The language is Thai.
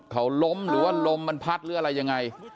เขาล้มหรือล้มมาพัดหรือไรยังไง